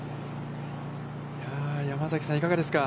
山崎さん、いかがですか。